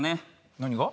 何が？